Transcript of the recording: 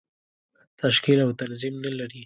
تشکیل او تنظیم نه لري.